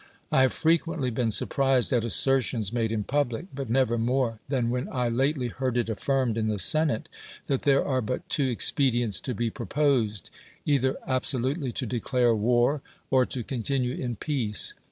I have frequently been surprised at assertions made in public; but never more than when I lately heard it affirmed in the senate, that there are but two expedients to be proposed — either absolutely to declare war, or to continue in peace.